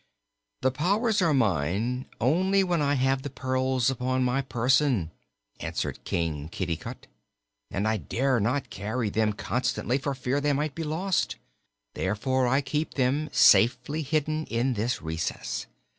"The powers are mine only while I have the pearls upon my person," answered King Kitticut, "and I dare not carry them constantly for fear they might be lost. Therefore, I keep them safely hidden in this recess.